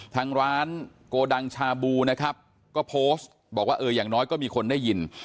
ทางร้านโกดังชาบูนะครับก็โพสต์บอกว่าเอออย่างน้อยก็มีคนได้ยิน